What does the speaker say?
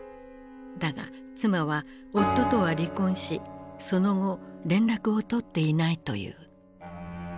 だが妻は夫とは離婚しその後連絡を取っていないという。